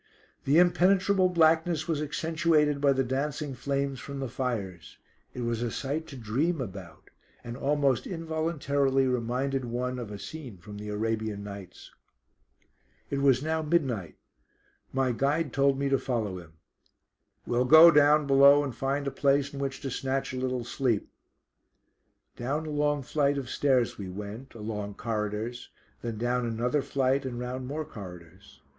The impenetrable blackness was accentuated by the dancing flames from the fires. It was a sight to dream about; and almost involuntarily reminded one of a scene from the Arabian Nights. It was now midnight. My guide told me to follow him. "We'll go down below and find a place in which to snatch a little sleep." Down a long flight of stairs we went, along corridors, then down another flight and round more corridors.